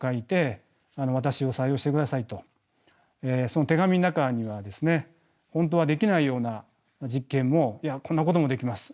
その手紙の中にはですね本当はできないような実験もいやこんなこともできます